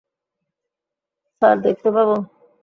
Sir, দেখতে পাব?